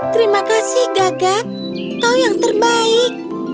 terima kasih gagak kau yang terbaik